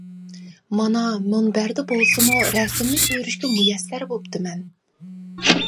مانا مۇنبەردە بولسىمۇ رەسىمىنى كۆرۈشكە مۇيەسسەر بوپتىمەن!